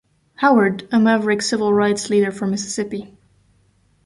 Howard, a maverick civil rights leader from Mississippi.